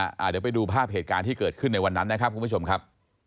เดี๋ยวไปดูภาพเหตุการณ์ที่เกิดขึ้นในวันนั้นนะครับคุณผู้ชมครับ